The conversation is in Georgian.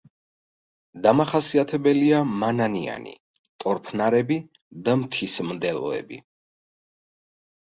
დამახასიათებელია მანანიანი, ტორფნარები და მთის მდელოები.